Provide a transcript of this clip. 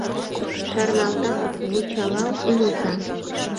Шарналтал, вучалал илыза.